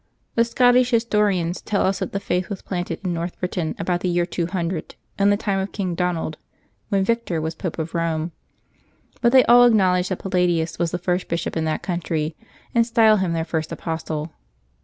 The Scottish historians tell us that the Faith was planted in North Britain about the year 200, in the time of King Donald, when Victor was Pope of Eome. But they all acknowledge that Palladius was the first bishop in that country, and style him their first apostle.